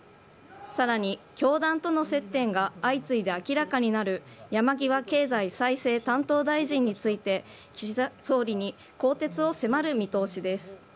さらに、教団との接点が相次いで明らかになる山際経済再生担当大臣について岸田総理に更迭を迫る見通しです。